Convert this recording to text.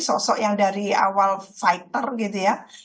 sosok yang dari awal fighter gitu ya